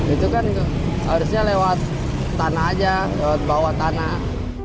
itu kan harusnya lewat tanah aja lewat bawah tanah